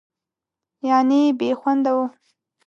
یعنې بېخونده وه.